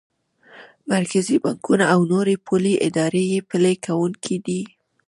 مرکزي بانکونه او نورې پولي ادارې یې پلي کوونکی دي.